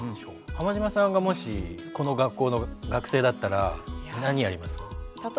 浜島さんがもしこの学校の学生だったら何やります？